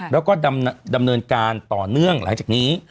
แล้วก็ดำเนินการต่อเนื่องหลังจากนี้